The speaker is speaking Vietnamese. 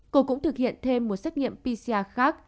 cô cũng thực hiện thêm một xét nghiệm pcr khác